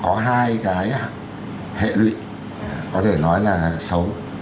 có hai cái hệ lụy có thể nói là xấu